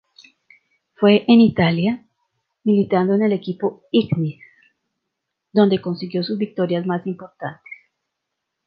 Fue en Italia, militando en el equipo Ignis, donde consiguió sus victorias más importantes.